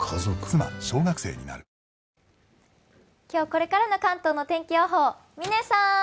今日これからの関東の天気予報、嶺さん。